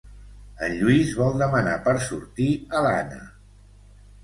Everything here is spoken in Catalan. En Lluís vol demanar per sortir a l'Anna.